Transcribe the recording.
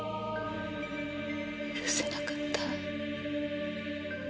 許せなかった。